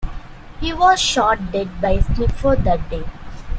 He was shot dead by a sniper that day.